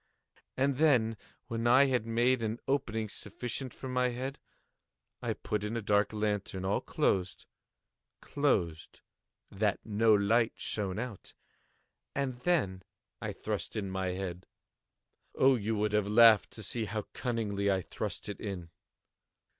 And then, when I had made an opening sufficient for my head, I put in a dark lantern, all closed, closed, that no light shone out, and then I thrust in my head. Oh, you would have laughed to see how cunningly I thrust it in!